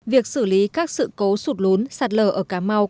việc xử lý các sự cố sụt lún sạt lở ở cà mau